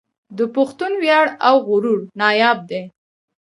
د پښتون وياړ او غرور ناياب دی